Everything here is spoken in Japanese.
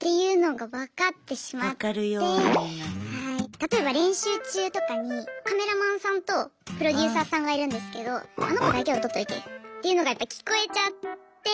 例えば練習中とかにカメラマンさんとプロデューサーさんがいるんですけどあの子だけを撮っといてっていうのがやっぱ聞こえちゃって。